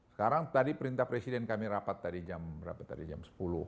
sekarang tadi perintah presiden kami rapat tadi jam berapa tadi jam sepuluh